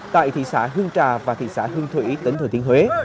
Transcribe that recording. tại thị xã hương trà và thị xã hương thủy tỉnh thừa thiên huế